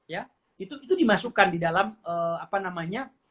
ya itu dimasukkan di dalam apa namanya